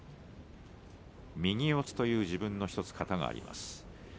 右四つという自分の１つ型があります。